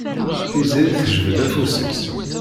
Tiziri tejbed afus-is.